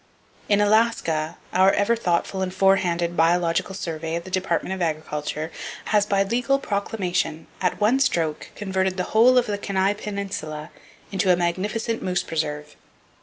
In Alaska, our ever thoughtful and forehanded Biological Survey of the Department of Agriculture has by legal proclamation at one stroke converted the whole of the Kenai Peninsula into a magnificent moose preserve.